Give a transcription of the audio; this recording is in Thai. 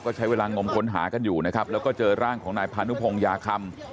ก็ใช้เวลางมค้นหากันอยู่นะครับแล้วก็เจอร่างของนายพานุพงยาคำ